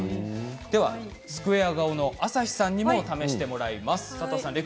スクエア型の朝日さんにも試してもらいます。